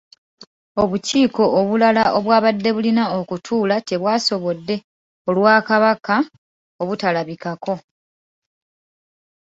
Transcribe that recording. Obukiiko obulala obwabadde bulina okutuula tebwasobodde olw'ababaka obutalabikako.